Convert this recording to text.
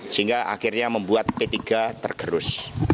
sehingga akhirnya membuat p tiga tergerus